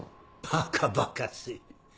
ばかばかしい。